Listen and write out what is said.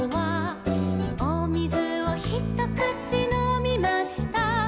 「おみずをひとくちのみました」